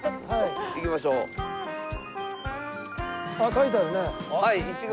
書いてあるね。